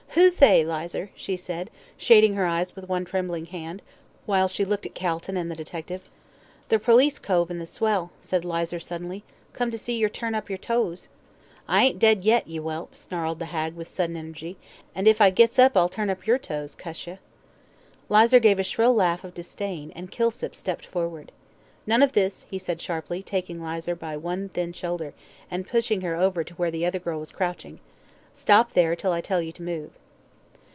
"Who's they, Lizer?" she said, shading her eyes with one trembling hand, while she looked at Calton and the detective. "The perlice cove an' the swell," said Lizer, suddenly. "Come to see yer turn up your toes." "I ain't dead yet, ye whelp," snarled the hag with sudden energy; "an' if I gits up I'll turn up yer toes, cuss ye." Lizer gave a shrill laugh of disdain, and Kilsip stepped forward. "None of this," he said, sharply, taking Lizer by one thin shoulder, and pushing her over to where the other girl was crouching; "stop there till I tell you to move."